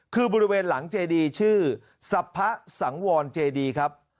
คือบริเวณหลังเจดีชื่อสัพพะสังวรเจดีครับ